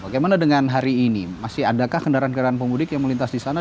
bagaimana dengan hari ini masih adakah kendaraan kendaraan pemudik yang melintas di sana